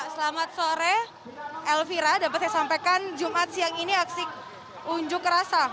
selamat sore elvira dapat saya sampaikan jumat siang ini aksi unjuk rasa